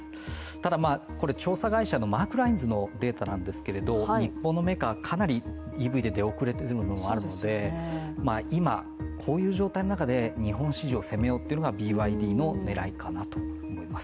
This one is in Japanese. ただ調査会社のマークラインズのデータなんですけども、日本のメーカーかなりＥＶで出遅れていることがあるので、今こういう状態の中で日本市場を攻めようというのがＢＹＤの狙いなんだと思います。